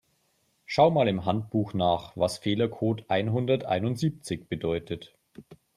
Schau mal im Handbuch nach, was Fehlercode einhunderteinundsiebzig bedeutet.